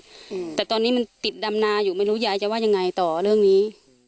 อืมแต่ตอนนี้มันติดดำนาอยู่ไม่รู้ยายจะว่ายังไงต่อเรื่องนี้